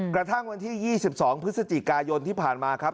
กระทั่งวันที่๒๒พฤศจิกายนที่ผ่านมาครับ